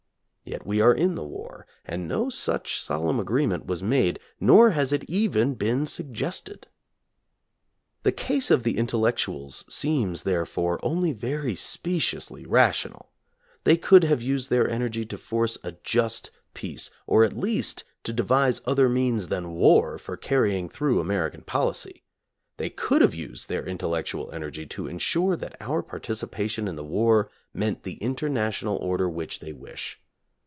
Yet we are in the war, and no such solemn agreement was made, nor has it even been suggested. The case of the intellectuals seems, therefore, only very speciously rational. They could have used their energy to force a just peace or at least to devise other means than war for carrying through American policy. They could have used their intellectual energy to ensure that our par ticipation in the war meant the international order which they wish.